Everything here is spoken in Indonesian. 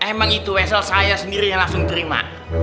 emang itu asal saya sendiri yang langsung terima